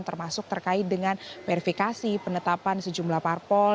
termasuk terkait dengan verifikasi penetapan sejumlah parpol